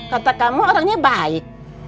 kata kamu orangnya baik